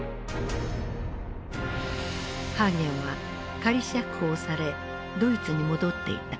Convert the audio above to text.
ハーゲンは仮釈放されドイツに戻っていた。